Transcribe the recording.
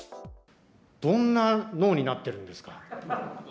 どんな脳になっているんですか。